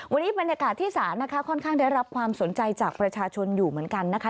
วันนี้บรรยากาศที่ศาลนะคะค่อนข้างได้รับความสนใจจากประชาชนอยู่เหมือนกันนะคะ